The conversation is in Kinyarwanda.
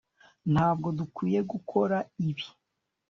ntabwo dukwiye gukora ibi